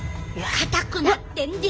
硬くなってんで。